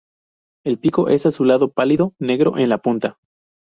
El pico es azulado pálido, negro en la punta.